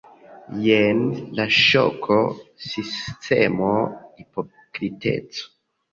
Jen la ŝoko, sismo, hipokriteco.